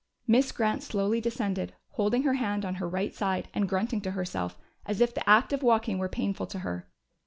Miss Grant slowly descended, holding her hand on her right side and grunting to herself as if the act of walking were painful to her.